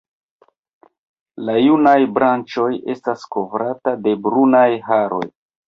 La junaj branĉoj estas kovrata de brunaj haroj.